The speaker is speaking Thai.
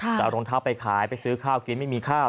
จะเอารองเท้าไปขายไปซื้อข้าวกินไม่มีข้าว